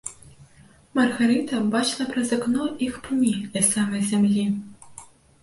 Маргарыта бачыла праз акно іх пні ля самай зямлі.